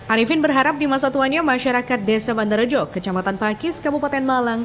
arifin berharap di masa tuanya masyarakat desa bandarjo kecamatan pakis kabupaten malang